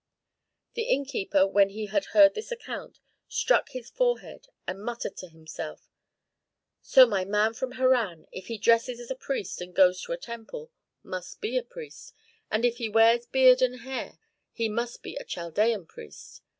The innkeeper, when he had heard this account, struck his forehead and muttered to himself, "So my man from Harran, if he dresses as a priest and goes to a temple, must be a priest; and if he wears beard and hair, he must be a Chaldean priest.